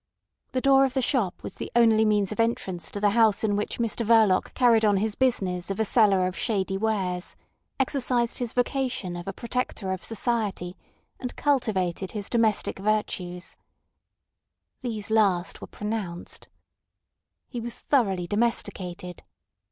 The door of the shop was the only means of entrance to the house in which Mr Verloc carried on his business of a seller of shady wares, exercised his vocation of a protector of society, and cultivated his domestic virtues. These last were pronounced. He was thoroughly domesticated.